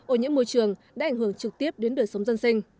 ở những môi trường đã ảnh hưởng trực tiếp đến đời sống dân sinh